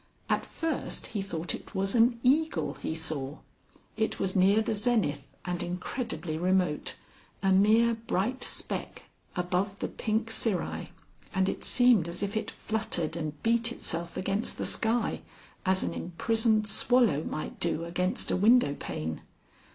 At first he thought it was an eagle he saw. It was near the zenith, and incredibly remote, a mere bright speck above the pink cirri, and it seemed as if it fluttered and beat itself against the sky, as an imprisoned swallow might do against a window pane.